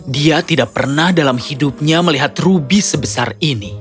dia tidak pernah dalam hidupnya melihat rubi sebesar ini